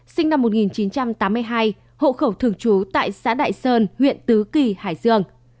sinh năm một nghìn chín trăm tám mươi hai hộ khẩu thường trú tại xã đại sơn huyện tứ kỳ hải dương